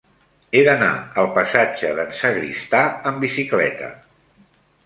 He d'anar al passatge d'en Sagristà amb bicicleta.